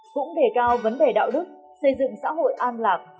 cũng đề cao vấn đề đạo đức xây dựng xã hội an lạc